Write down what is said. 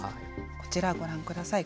こちら、ご覧ください。